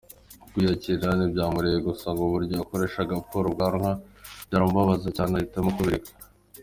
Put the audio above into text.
Kwiyakira ntibyamworoheye gusa ngo uburyo yakoreshaga apfura ubwanwa byaramubabaza cyane ahitamo kubireka.